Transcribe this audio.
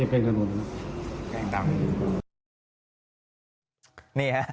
แป้งกาวงู